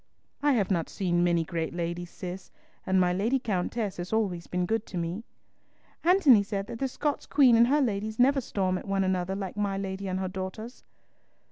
"I have not seen many great ladies, Cis, and my Lady Countess has always been good to me." "Antony said that the Scots Queen and her ladies never storm at one another like my lady and her daughters."